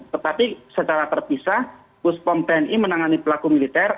tetapi secara terpisah puspom tni menangani pelaku militer